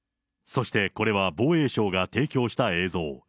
そしてこれは防衛省が提供した映像。